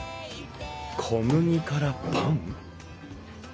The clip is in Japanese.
小麦からパン？